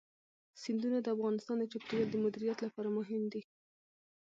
سیندونه د افغانستان د چاپیریال د مدیریت لپاره مهم دي.